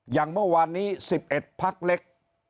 อย่างเมื่อวานนี้๑๑พักเล็ก